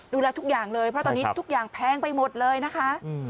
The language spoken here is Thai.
ดูแลทุกอย่างเลยเพราะตอนนี้ทุกอย่างแพงไปหมดเลยนะคะ